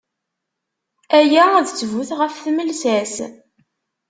Aya d ttbut ɣef tmelsa-s.